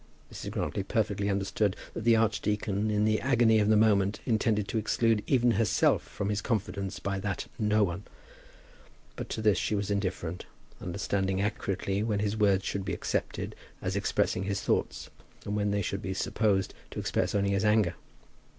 Mrs. Grantly perfectly understood that the archdeacon, in the agony of the moment, intended to exclude even herself from his confidence by that "no one;" but to this she was indifferent, understanding accurately when his words should be accepted as expressing his thoughts, and when they should be supposed to express only his anger.